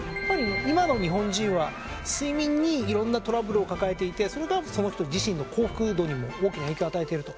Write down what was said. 今の日本人は睡眠にいろんなトラブルを抱えていてそれがその人自身の幸福度にも大きな影響を与えてると。